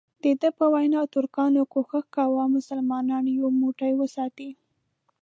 دده په وینا ترکانو کوښښ کاوه مسلمانان یو موټی وساتي.